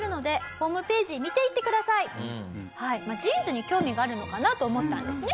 ジーンズに興味があるのかな？と思ったんですね。